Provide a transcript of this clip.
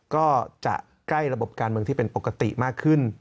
ก็จะใกล้ระบบการเมืองที่เป็นปกติมากขึ้น